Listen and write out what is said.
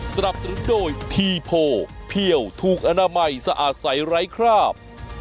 สนับสนุนโดยทีโพเพี่ยวถูกอนามัยสะอาดใสไร้คราบ